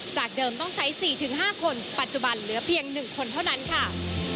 จากเดิมต้องใช้๔๕คนปัจจุบันเหลือเพียง๑คนเท่านั้นค่ะ